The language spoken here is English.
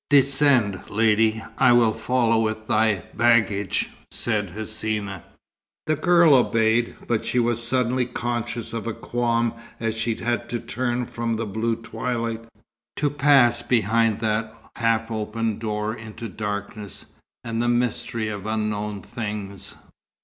"Descend, lady. I will follow with thy baggage," said Hsina. The girl obeyed, but she was suddenly conscious of a qualm as she had to turn from the blue twilight, to pass behind that half open door into darkness, and the mystery of unknown things.